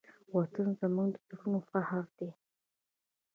وطن زموږ د زړونو فخر دی.